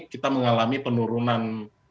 kita mengalami penurunan